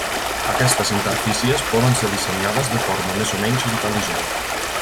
Aquestes interfícies poden ser dissenyades de forma més o menys intel·ligent.